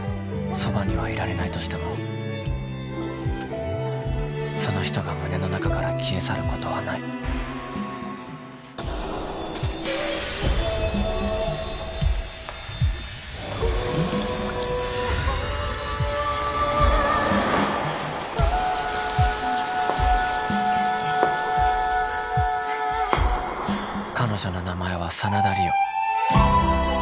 そばにはいられないとしてもその人が胸の中から消え去ることはない彼女の名前は真田梨央